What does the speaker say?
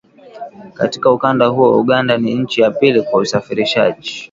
Katika ukanda huo, Uganda ni nchi ya pili kwa usafirishaj